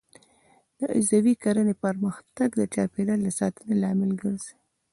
د عضوي کرنې پرمختګ د چاپیریال د ساتنې لامل ګرځي.